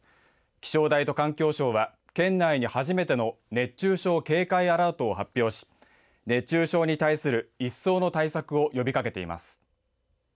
気象台と環境省は県内に初めての熱中症警戒アラートを発表し熱中症に対する一層の対策を呼びかけています。